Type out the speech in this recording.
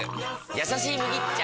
「やさしい麦茶」！